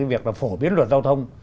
việc phổ biến luật giao thông